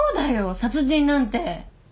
殺人なんて。